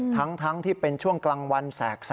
ทั้งที่เป็นช่วงกลางวันแสก